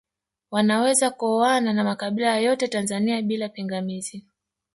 Wanaweza kuoana na makabila yote Tanzania bila kipingamizi